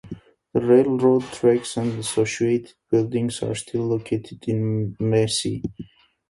The railroad tracks and associated buildings are still located in Macy.